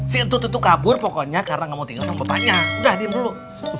si untut itu kabur pokoknya karena nggak mau tinggal sama bapaknya udah diam dulu